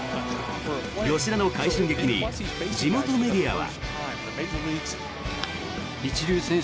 吉田の快進撃に地元メディアは。